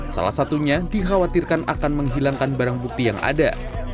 salah satunya dikhawatirkan akan menghilangkan barang bukti yang ada